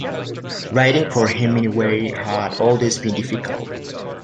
Writing, for Hemingway, had always been difficult.